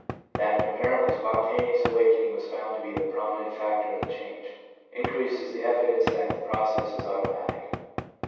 That an apparently spontaneous awaken ing was found to be the prominent factor in the change, increases the evidence that the process is automatic.